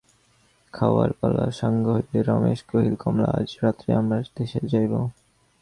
খাওয়ার পালা সাঙ্গ হইলে রমেশ কহিল, কমলা, আজ রাত্রে আমরা দেশে যাইব।